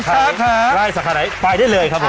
ผมไปสาขาละไว้ขาดได้เลยครับผม